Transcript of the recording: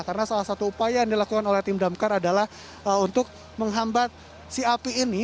karena salah satu upaya yang dilakukan oleh tim damkar adalah untuk menghambat si api ini